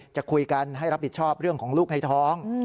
จะคุยกันให้รับผิดชอบเรื่องของลูกในท้อง